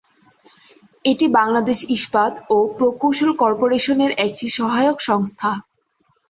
এটি বাংলাদেশ ইস্পাত ও প্রকৌশল কর্পোরেশনের একটি সহায়ক সংস্থা।